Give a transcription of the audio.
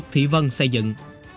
thị vân xây dựng